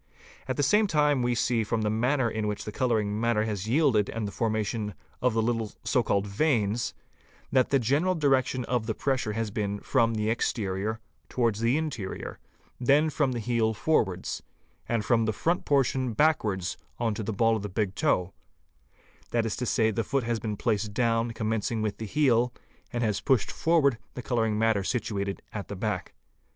— At the same time we see from the manner in which the colouring matter has yielded and the formation of the little so called veins, that the THE IMAGE OF THE FOOT §81 general direction of the pressure has been from the exterior towards the interior, then from the heel forwards, and from the front portion back wards on to the bail of the big toe, that is to say, the foot has been placed down commencing with the heel and has pushed forward the colouring matter situated at the back.